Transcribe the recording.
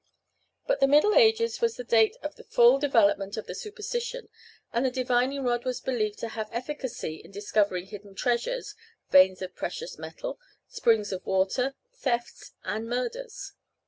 But the middle ages was the date of the full development of the superstition, and the divining rod was believed to have efficacy in discovering hidden treasures, veins of precious metal, springs of water, thefts, and murders.